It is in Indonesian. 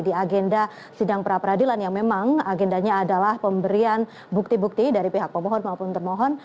di agenda sidang pra peradilan yang memang agendanya adalah pemberian bukti bukti dari pihak pemohon maupun termohon